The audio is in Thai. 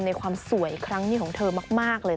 ในความสวยครั้งนี้ของเธอมากเลย